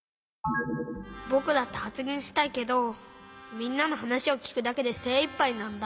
☎ぼくだってはつげんしたいけどみんなの話をきくだけでせいいっぱいなんだ。